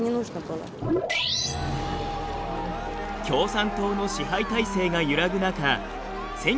共産党の支配体制が揺らぐ中